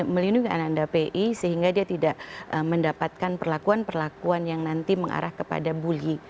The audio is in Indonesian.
melindungi anak anda pi sehingga dia tidak mendapatkan perlakuan perlakuan yang nanti mengarah kepada bully